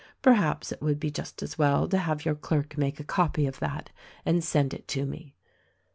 Perhaps it would be just as well to have your clerk make a copy of that and send it to me.